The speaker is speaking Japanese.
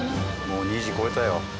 もう２時越えたよ。